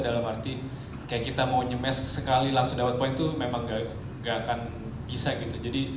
dalam arti kayak kita mau nyemes sekali langsung dapat poin tuh memang gak akan bisa gitu jadi